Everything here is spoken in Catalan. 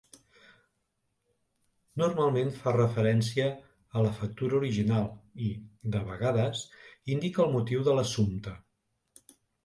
Normalment fa referència a la factura original i, de vegades, indica el motiu de l'assumpte.